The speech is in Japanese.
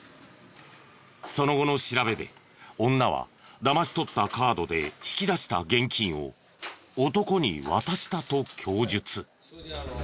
その後の調べで女はだまし取ったカードで引き出した現金を男に渡したと供述。